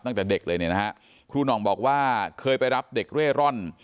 ตั้งแต่เด็กเลยเนี่ยนะฮะครูหน่องบอกว่าเคยไปรับเด็กเร่ร่อน